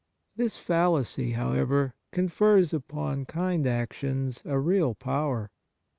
This fallacy, however, confers upon kind actions a real power.